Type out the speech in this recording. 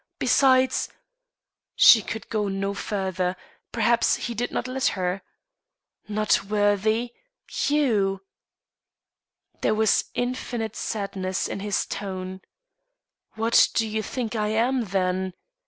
Besides " She could go no further; perhaps he did not let her. "Not worthy you!" There was infinite sadness in his tone. "What do you think I am, then?